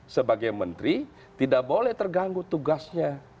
sebagai menteri tidak boleh terganggu tugasnya